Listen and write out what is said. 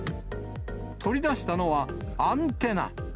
取り出したのは、アンテナ。